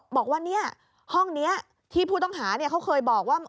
บอกว่าเนี่ยห้องนี้ที่ผู้ต้องหาเขาเคยบอกว่า